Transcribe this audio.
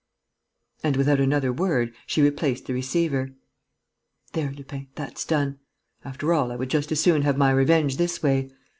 And, without another word, she replaced the receiver. "There, Lupin, that's done. After all, I would just as soon have my revenge this way.